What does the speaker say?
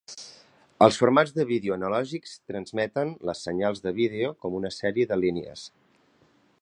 Els formats de vídeo analògics transmeten les senyals de vídeo com una sèrie de "línies".